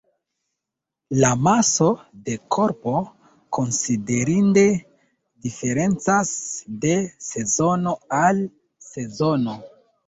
La maso de korpo konsiderinde diferencas de sezono al sezono.